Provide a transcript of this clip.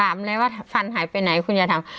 ถามเลยว่าฟันหายไปไหนคุณยายทำ